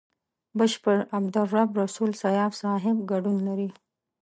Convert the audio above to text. بشپړ عبدالرب رسول سياف صاحب ګډون لري.